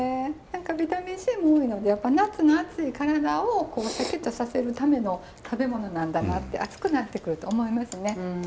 ビタミンＣも多いので夏の熱い体をシャキッとさせるための食べ物なんだなって暑くなってくると思いますね。